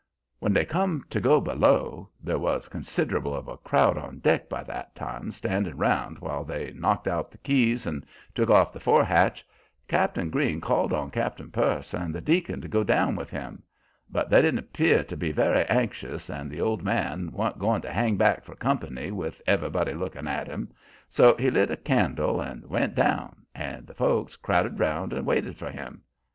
"When they come to go below, there was considerable of a crowd on deck by that time, standin' round while they knocked out the keys and took off the fore hatch, Cap'n Green called on Cap'n Purse and the deacon to go down with him; but they didn't 'pear to be very anxious, and the old man wan't goin' to hang back for company with everybody lookin' at him, so he lit a candle and went down, and the folks crowded round and waited for him.